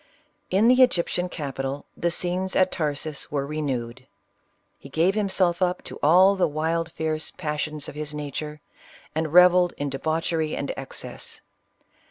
In the Egyptian capital the scenes at Tarsus were renewed. He gave himself up to all the wild, fierce passions of his nature, and rev elled in debauchery and excess.